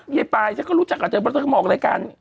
เยไปฉันก็รู้จักเหรอเจ้าพระราชธรรมอคริยการ